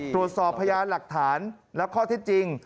ตรวจสอบพยานหลักฐานและข้อที่จริง